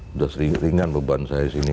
sudah ringan beban saya di sini